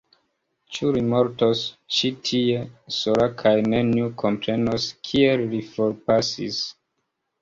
Ĉu li mortos ĉi tie, sola kaj neniu komprenos kiel li forpasis?